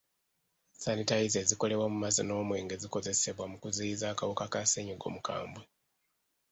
Sanitayiza ezikolebwa mu mazzi n'omwenge zikozesebwa mu kuziyiza akawuka ka ssenyiga omukambwe.